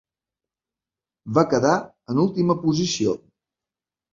Va quedar en última posició.